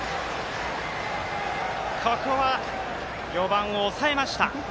ここは４番を抑えました。